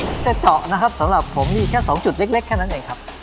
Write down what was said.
จะเจาะนะครับสำหรับผมมีแค่๒จุดเล็กแค่นั้นเองครับ